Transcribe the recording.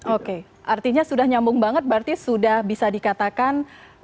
oke artinya sudah nyambung banget berarti sudah bisa dikatakan